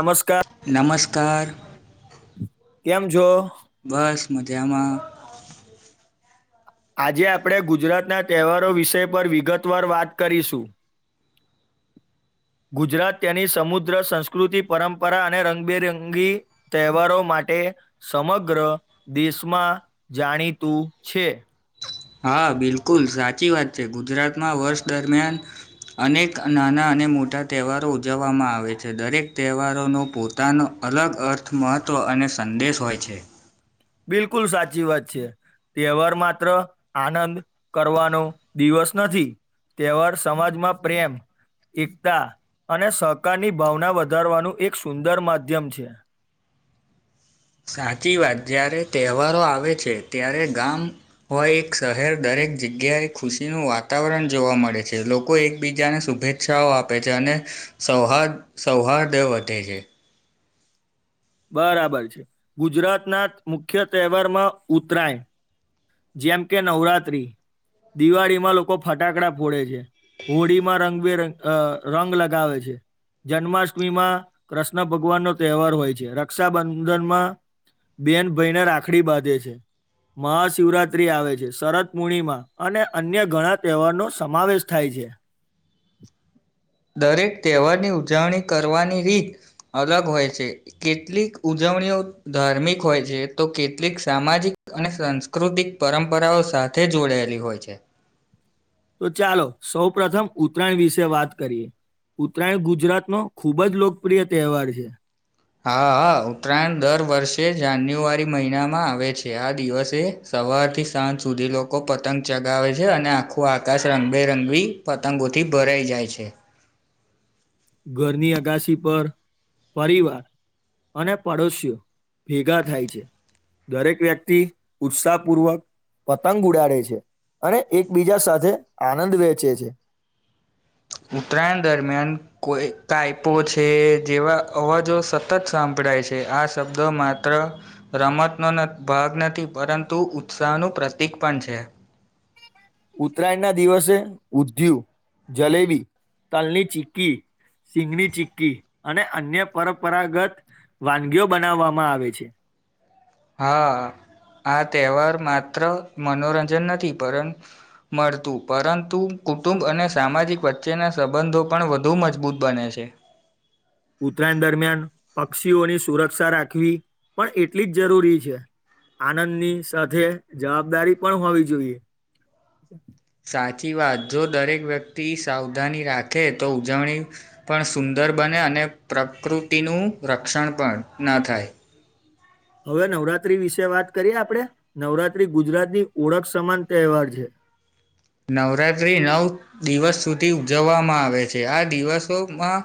નમસ્કાર નમસ્કાર કેમ છો? બસ મજામાં. આજે આપણે ગુજરાતના તહેવારો વિષય પર વિગતવાર વાત કરીશું. ગુજરાત તેની સમુદ્ર સંસ્કૃતિ પરંપરા અને રંગબેરંગી તહેવારો માટે સમગ્ર દેશમાં જાણીતું છે. હા બિલકુલ સાચી વાત છે ગુજરાતમાં વર્ષ દરમિયાન અનેક નાના અને મોટા તહેવારો ઉજવવામાં આવે છે દરેક તહેવારોનો પો પોતાનો અલગ અર્થ, મહત્ત્વ અને સંદેશ હોય છે. બિલકુલ સાચી વાત છે તહેવાર માત્ર આનંદ કરવાનો દિવસ નથી તહેવાર સમાજમાં પ્રેમ એકતા અને સહકારની ભાવના વધારવાનું એક સુંદર માધ્યમ છે. સાચી વાત જ્યારે તહેવારો આવે છે ત્યારે ગામ હોય એક શહેર દરેક જગ્યાએ ખુશીનું વાતાવરણ જોવા મળે છે લોકો એકબીજાને શુભે છાઓ આપે છે અને સૌહાર્દ સૌહાર્દ વધે છે. બરાબર છે ગુજરાત ના મુખ્ય તહેવારમાં ઉતરાયણ જેમ કે નવરાત્રી દિવાળીમાં લોકો ફટાકડા ફોડે છે. હોળી માં રંગબેરંગ અ રંગ લગાવે છે. જન્માષ્ટમી માં કૃષ્ણ ભગવાન નો તહેવાર હોય છે રક્ષાબંધનમાં બેન ભાઈને રાખડી બાંધે છે મ શિવરાત્રી આવે છે શરદ પૂર્ણિમા અને અન્ય ઘણા તહેવાર નો સમાવેશ થાય છે. દરેક તહેવારની ઉજવણી કરવાની રીત અલગ હોય છે. કેટલીક ઉજવણીઓ ધાર્મિક હોય છે તો કેટલીક સામાજિક અને સંસ્, પ્રાકૃતિક પરંપરાઓ સાથે જોડાયેલી હોય છે. તો ચાલો સૌ પ્રથમ ઉત્તરાયણ વિશે વાત કરીએ. ઉત્તરાયણ ગુજરાત નો ખુબ જ લોકપ્રિય તહેવાર છે. હા ઉત્તરાયણ દર વર્ષે જાન્યુઆરી મહિનામાં આવે છે આ દિવસે, સવાર થી સાંજ સુધી લોકો પતંગ ચગાવે છે અને આખું આકાશ રંગબેરંગી, પતંગોથી ભરાઈ જાય છે. ઘરની અગાશી પર પરિવાર, અને પાડોશીઓ ભેગા થાય છે. દરેક વ્યક્તિ ઉત્સાહ પૂર્વક, પતંગ ઉડાડે છે અને એકબીજા સાથે આનંદ વેચે છે. ઉત્તરાયણ દરમિયાન કોઈ કઈપો છે જેવા અવાજો, સતત સાંભળાય છે આ શબ્દો માત્ર, રમતનો ભાગ નથી પરંતુ ઉત્સાહનું પ્રતીક પણ છે. ઉત્તરાયણ ના દિવસે ઉંધીયું, જલેબી, તલની ચીકી, સિંગની ચી્કી અને અન્ય પરંપરાગત વાનગીઓ બનાવવામાં આવે છે. હા આ તહેવાર માત્ર મનોરંજન નથી પરંત, મળતું પરંતુ કુટુંબ અને સામાજિક વચ્ચેના સંબંધો પણ વધુ મજબૂત બને છે. ઉત્તરાયણ દરમિયાન પક્ષીઓની સુરક્ષા રાખવી પણ એટલી જ જરૂરી છે. આનંદની સાથે જવાબદારી પણ હોવી જોઈએ. સાચી વાત જો દરેક વ્યક્તિ સાવધાની રાખે તો ઉજવણી, પણ સુંદર બને અને પ્રકૃતિનું રક્ષણ પણ થાય‌. હવે નવરાત્રી વિશે વાત કરીએ આપડે નવરાત્રી ગુજરાતની ઓળખ સમાન તહેવાર છે. નવરાત્રી નવ દિવસ સુધી ઉજવવામાં આવે છે આ દિવસોમાં,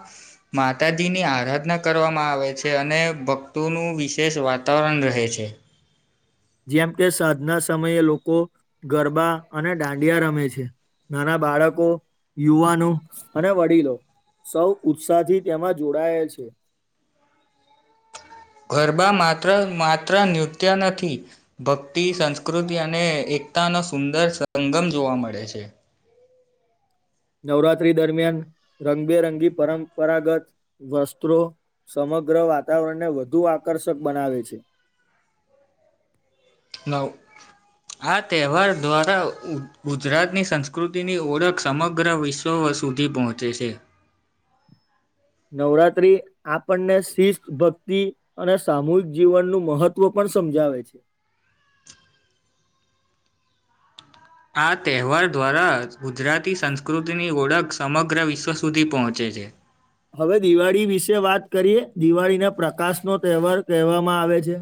માતાજીની આરાધના કરવામાં આવે છે અને ભક્તોનું વિશેષ વાતાવરણ રહે છે. જેમ કે સાધના સમયે લોકો ગરબા અને દાંડિયા રમે છે. નાના બાળકો યુવાનો અને વડીલો, સૌ ઉત્સાહથી તેમાં જોડાયેલ છે. ગરબા માત્ર માત્ર નૃત્ય નથી. ભક્તિ સંસ્કૃતિ અને એકતા નો સુંદર સંગમ જોવા મળે છે. નવરાત્રી દરમિયાન રંગબેરંગી પરંપરાગત, વસ્ત્રો સમગ્ર વાતાવરણને વધુ આકર્ષક બનાવે છે. નવ, આ તહેવાર દ્વારા ગુજરાતની સંસ્કૃતિની ઓળખ સમગ્ર વિશ્વ, સ સુધી પહોંચે છે. નવરાત્રી, આપણને શિસ્ત ભક્તિ અને સામૂહિક જીવનનું મહત્વ પણ સમજાવે છે આ તહેવાર દ્વારા ગુજરાતી સંસ્કૃતિની ઓળખ સમગ્ર વિશ્વ સુધી પહોંચે છે. હવે દિવાળી વિશે વાત કરીએ દિવાળીને પ્રકાશ નો તહેવાર કહેવામાં આવે છે.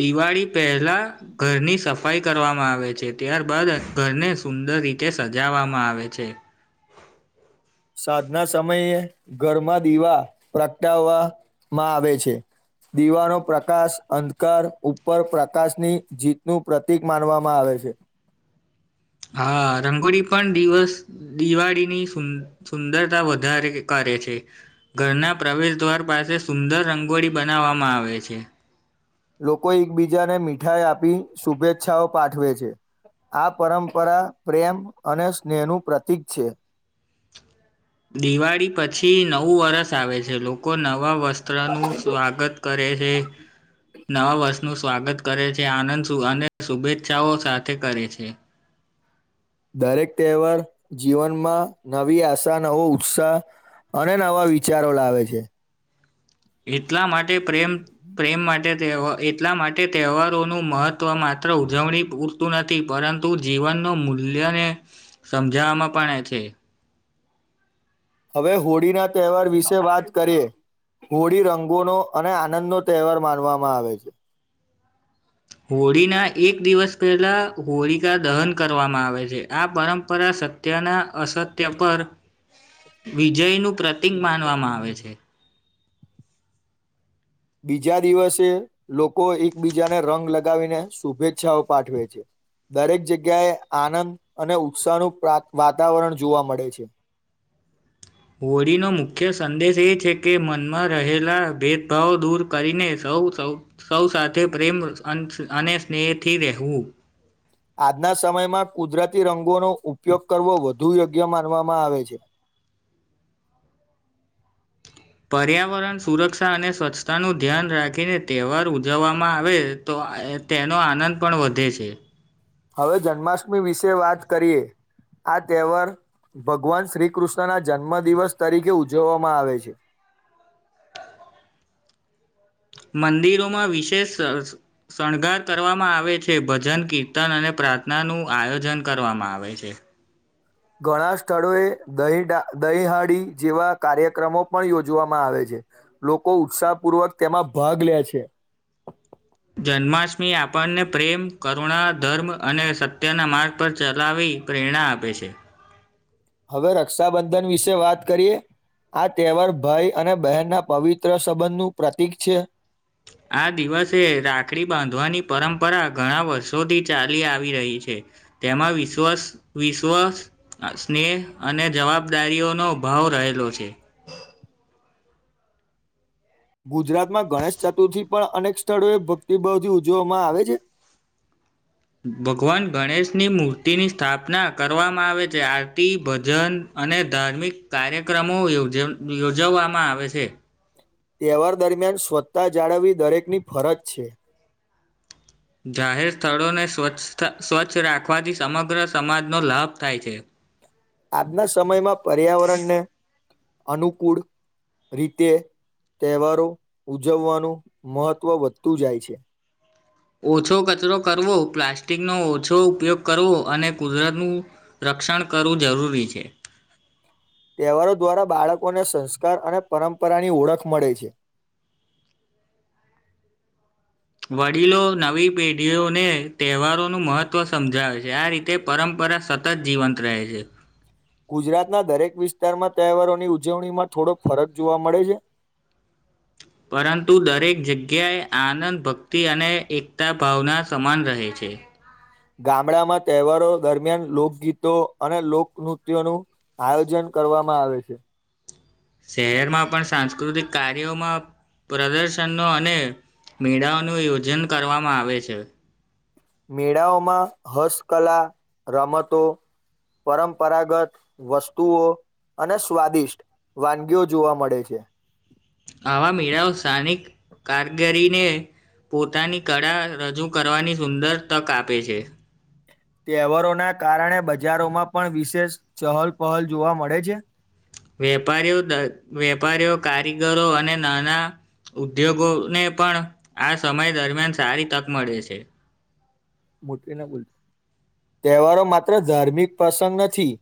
દિવાળી પહેલા ઘરની સફા. સફાઈ કરવામાં આવે છે ત્યારબાદ ઘરને સુંદર રીતે સજાવવામાં આવે છે. સાધના સમયે ઘરમાં દીવા પ્રગટાવવામાં આવે છે. દીવાનો પ્રકાશ અંધકાર ઉપર પ્રકાશની જીતનું પ્રતિક માનવામાં આવે છે. હા રંગોળી પણ દિવસ. દિવાળીનીું સુંદરતા વધારે કરે છે. ઘરના પ્રવેશ દ્વાર પાસે સુંદર રંગોળી બનાવવામાં આવે છે. લોકો એકબીજાને મીઠાઈ આપી શુભેચ્છાઓ પાઠવે છે. આ પરંપરા પ્રેમ અને સ્નેહનું પ્રતીક છે. દિવાળી પછી નવું વરષ આવે છે લોકો નવા વસ્ત્રનું સ્વાગત, કરે છેે. નવા વર્ષનું સ્વાગત કરે છે આનંદ અને શુભેચ્છાઓ સાથે કરે છે. દરેક તહેવાર જીવનમાં નવી આશા, નવો ઉત્સાહ, અને નવા વિચારો લાવે છે. એટલા માટે પ્રેમ પ્રેમ માટે તેઓ એ. એટલા માટે તહેવારોનું મહત્વ માત્ર ઉજવણી પૂરતું નથી પરંતુ, જીવનનો મૂલ્યને સમજાવવામાં પણ છે. હવે હોળીના તહેવાર વિશે વાત કરીએ. હોળી રંગોનો અને આનંદ નો તહેવાર માનવામાં આવે છે. હોળીના એક દિવસ પહેલાં હોળિકા દહન કરવામાં આવે છે આ પરંપરા સત્યના, અસત્ય પર વિજય નું પ્રતિક માનવામાં આવે છે. બીજા દિવસે લોકો એકબીજાને રંગ લગાવીને શુભેચ્છાઓ પાઠવે છે. દરેક જગ્યાએ આનંદ અને ઉત્સાહનું વાતાવરણ જોવા મળે છે. હોળીનો મુખ્ય સંદેશ એ છે. કે મનમાં રહેલા ભેદભાવ દૂર કરીને સૌ સૌ. સૌ સાથે પ્રેમ અને સ્નેહથી રહેવું. આજના સમયમાં કુદરતી રંગોનો ઉપયોગ કરવો વધુ યોગ્ય માનવામાં આવે છે. પર્યાવરણ સુરક્ષા અને સ્વચ્છતાનું ધ્યાન રાખીને તહેવાર ઉજવવામાં આવે. તો તેનો આનંદ પણ વધે છે. હવે જન્માષ્ટમી વિશે વાત કરીએ. આ તહેવાર ભગવાન શ્રી કૃષ્ણ ના જન્મ દિવસ તરીકે ઉજવવામાં આવે છે. મંદિરોમાં વિશેષ શણગાર કરવામાં આવે છે ભજન કીર્તન અને પ્રા થનાનું આયોજન કરવામાં આવે છે. ઘણા સ્થળોએ દહી દહીહાડી જેવા કાર્યક્રમો પણ યોજવામાં આવે છે. લોકો ઉત્સાહપૂર્વક તેમાં ભાગ લે છે. જન્માષ્ટમી આપણને પ્રેમ, કરુણા, ધર્મ અને સત ત્યાના માર્ગ પર ચલાવી પ્રેરણા આપે છે. હવે રક્ષાબંધન વિશે વાત કરીએ. આ તહેવાર ભાઈ અને બહેનના પવિત્ર સંબંધ નું પ્રતીક છે. આ દિવસે રાખડી બાંધવાની પરંપરા ઘણા વર્ષોથી ચાલી આવી રહી છે. તેમાં વિશ્વાસ વિશ્વા સ્નેહ અને જવાબદારીઓનો ભાવ રહેલો છે. ગુજરાતમાં ગણેશ ચતુર્થી પણ અનેક સ્થળો એ ભક્તિભાવથી ઉજવવામાં આવે છે. ભગવાન ગણેશની મૂર્તિની સ્થાપના કરવામાં આવે છે. આરતી, ભજન, અને ધાર્મિક કાર્યક્રમો યોજ યોજવવામાં આવે છે. તહેવાર દરમિયાન સ્વછતા જાળવવી દરેકની ફરજ છે. જાહેર સ્થળોને સ્વચ્છ સ્વચ્છ રાખવાથી સમગ્ર સમાજનો લાભ થાય છે. આજના સમયમાં પર્યાવરણને અનુકૂળ. રીતે તહેવારો ઉજવવાનું મહત્ત્વ વધતું જાય છે. ઓછો કચરો કરવો પ્લાસ્ટિક નો ઓછો ઉપયોગ કરવો અને કુદરતનું, રક્ષણ કરવું જરૂરી છે. તહેવારો દ્વારા બાળકોને સંસ્કાર અને પરંપરાની ઓળખ મળે છે. વડીલો નવી પેઢીઓને તહેવારોનું મહત્વ સમજાવે છે આ રીતે, તે પરંપરા સતત જીવંત રહે છે. ગુજરાતના દરેક વિસ્તારમાં તહેવારોની ઉજવણીમાં થોડો ફરક જોવા મળે છે. પરંતુ દરેક જગ્યાએ આનંદ ભક્તિ અને એકતા ભાવના સમાન રહે છે. ગામડામાં તહેવારો દરમિયાન લોકગીતો અને લોક નૃત્યનું, આયોજન કરવામાં આવે છે. શહેરમાં પણ સાંસ્કૃતિક કાર્યોમાં. પ્રદર્શન અને મેળાઓનું આ આયોજન કરવામાં આવે છે. મેળાઓમાં હસ્તકલા રમતો. પરંપરાગત વસ્તુઓ અને સ્વાદિષ્ટ. વાનગીઓ જોવા મળે છે. આવા મેળાઓ સ્થાનિક. કારીગરીને પોતાની કળા રજૂ કરવાની સુંદર તક આપે છે. તહેવરોના કારણે બજારોમાં પણ વિશેષ ચહલ પહલ જોવા મળે છે. વેપારીઓ વેપારીઓ કારીગરો અને નાના. ઉદ્યોગોને પણ આ સમય દરમિયાન સારી તક મળે છે. તહેવારો માત્ર ધાર્મિક પ્રસંગ નથી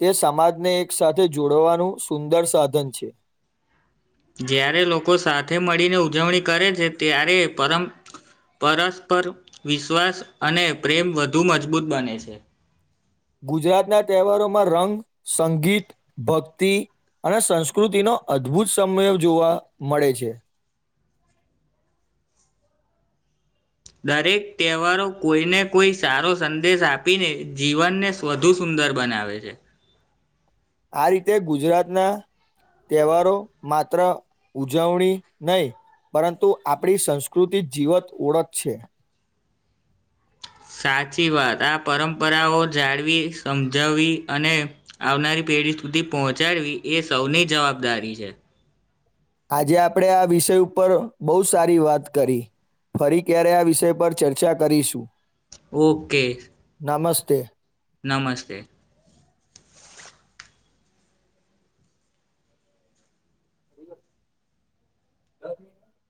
તે સમાજને એક સાથે જોડવાનું સુંદર સાધન છે. જ્યારે લોકો સાથે મળીને ઉજવણી કરે છે ત્યારે પરમ, પરસ્પર વિશ્વાસ અને પ્રેમ વધુ મજબૂત બને છે. ગુજરાતના તહેવારોમાં રંગ સંગીત ભક્તિ, અને સંસ્કૃતિનો અદ્ભુત સમય જોવા મળે છે. દરેક તહેવારો કોઈને કોઈ સારો સંદેશ આપીને જીવનને, વધુ સુંદર બનાવે છે. આ રીતે ગુજરાતના. તહેવારો માત્ર ઉજવણી નહી. પરંતુ આપણી સંસ્કૃતિ જીવંત ઓળખ છે. સાચી વાત આ પરંપરાઓ જાળવી સમજાવવી અને, આવનારી પેઢી સુધી પહોંચાડવી એ સૌની જવાબદારી છે. આજે આપણેે આ વિષય ઉપર બહુ સારી વાત કરી. ફરી ક્યારે આ વિષય પર ચર્ચા કરીશું. ઓકે. નમસ્તે. નમસ્તે. હા.